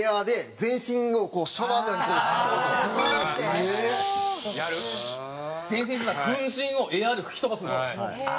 全身粉じんをエアで吹き飛ばすんですよ。